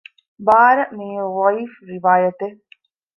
ބާރަ މިއީ ޟަޢީފު ރިވާޔަތެއް